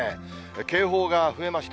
警報が増えました。